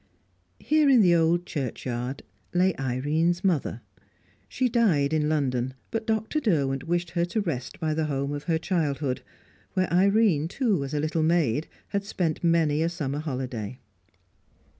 Here in the old churchyard lay Irene's mother. She died in London, but Dr. Derwent wished her to rest by the home of her childhood, where Irene, too, as a little maid, had spent many a summer holiday.